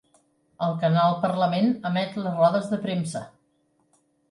El Canal Parlament emet les rodes de premsa.